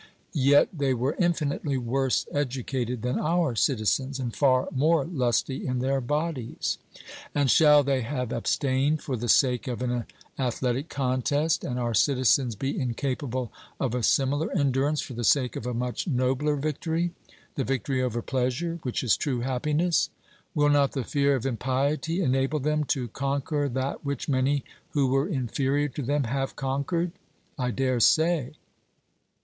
Yet they were infinitely worse educated than our citizens, and far more lusty in their bodies. And shall they have abstained for the sake of an athletic contest, and our citizens be incapable of a similar endurance for the sake of a much nobler victory, the victory over pleasure, which is true happiness? Will not the fear of impiety enable them to conquer that which many who were inferior to them have conquered? 'I dare say.'